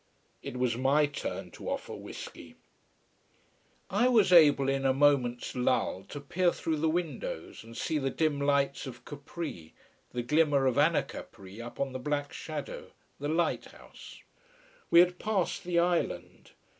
It was my turn to offer whisky. I was able in a moment's lull to peer through the windows and see the dim lights of Capri the glimmer of Anacapri up on the black shadow the lighthouse. We had passed the island.